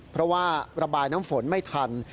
เพราะว่าระบายน้ำฝนไม่ทัน